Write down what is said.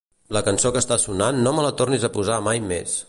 La cançó que està sonant no me la tornis a posar mai més.